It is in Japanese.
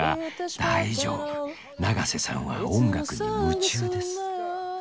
大丈夫永瀬さんは音楽に夢中です。